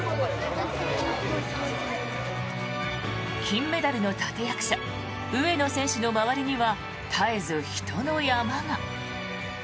金メダルの立役者上野選手の周りには絶えず人の山が。